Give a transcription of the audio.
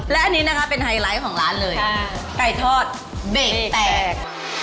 และอันนี้นะคะเป็นไฮไลท์ของร้านเลยไก่ทอดเบรกแตก